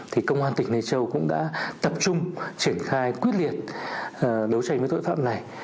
thì công an tỉnh lai châu cũng đã tập trung triển khai quyết liệt đấu tranh với tội phạm này